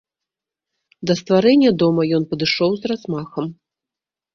Да стварэння дома ён падышоў з размахам.